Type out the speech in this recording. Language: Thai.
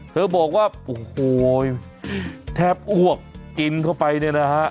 เขาบอกว่าโอ้โหแทบอ้วกกินเข้าไปเนี่ยนะฮะ